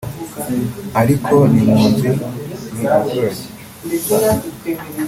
ariko n’impunzi ni abaturage